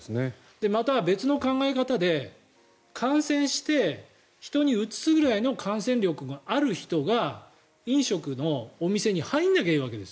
また別の考え方で感染して人にうつすぐらいの感染力がある人が、飲食のお店に入らなきゃいいわけです。